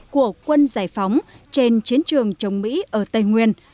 của quân giải phóng trên chiến trường chống mỹ ở tây nguyên